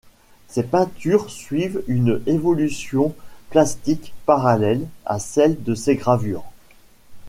Ses peintures suivent une évolution plastique parallèle à celle de ses gravures.